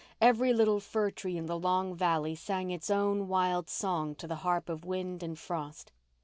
Every little fir tree in the long valley sang its own wild song to the harp of wind and frost.